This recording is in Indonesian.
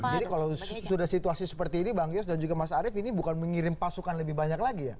jadi kalau sudah situasi seperti ini bang giyos dan juga mas arief ini bukan mengirim pasukan lebih banyak lagi ya